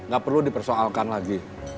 gak perlu dipersoalkan lagi